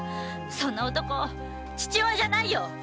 そんな男父親じゃないよ！